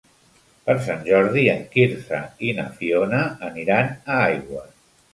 Per Sant Jordi en Quirze i na Fiona aniran a Aigües.